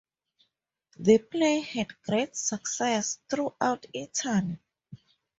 The play had great success throughout Italy.